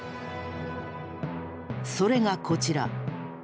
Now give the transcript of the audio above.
それがこちら。